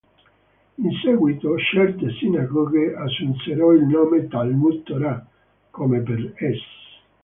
In seguito, certe sinagoghe assunsero il nome "Talmud Torah", come per es.